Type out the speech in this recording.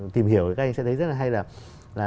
tìm hiểu thì các anh sẽ thấy rất là hay là